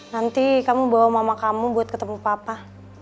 nanti kamu bawa mama kamu buat ketemu papa